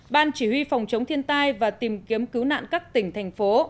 ban chỉ huy phòng chống thiên tai và tìm kiếm cứu nạn các tỉnh thành phố